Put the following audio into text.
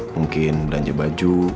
mungkin belanja baju